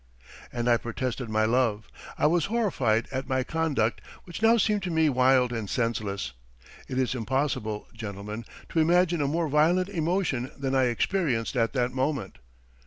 "And I protested my love. I was horrified at my conduct which now seemed to me wild and senseless. It is impossible, gentlemen, to imagine a more violent emotion than I experienced at that moment.